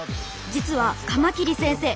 実はカマキリ先生